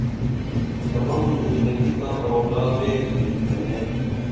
تمم زندگی تہ آوڈا دیی تِھم تنے